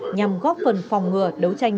nhằm góp phần phòng ngừa đấu tranh